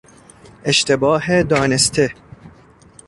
اشتباه دانسته